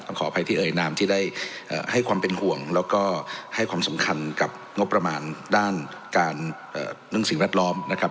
ขออภัยที่เอ่ยนามที่ได้ให้ความเป็นห่วงแล้วก็ให้ความสำคัญกับงบประมาณด้านการเรื่องสิ่งแวดล้อมนะครับ